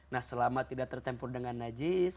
nah selama tidak tercampur dengan najis